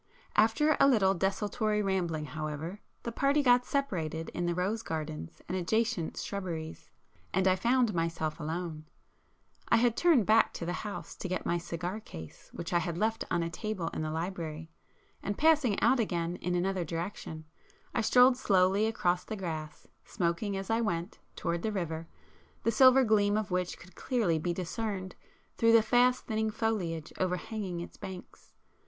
After a little desultory rambling however, the party got separated in the rose gardens and adjacent shrubberies, and I found myself alone. I turned back to the house to get my cigar case which I had left on a table in the library, and passing out again in another direction I strolled slowly across the grass, smoking as I went, towards the river, the silver gleam of which could clearly be discerned through the fast thinning foliage overhanging its banks.